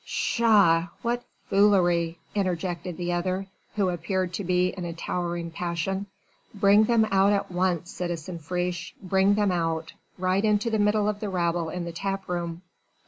"Tshaw! What foolery!" interjected the other, who appeared to be in a towering passion. "Bring them out at once, citizen Friche ... bring them out ... right into the middle of the rabble in the tap room....